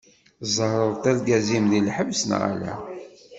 Tẓerreḍ-d argaz-im di lḥebs neɣ ala?